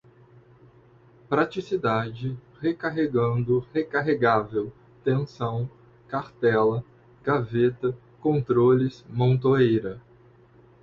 praticidade, recarregando, recarregável, tensão, cartela, gaveta, controles, montoeira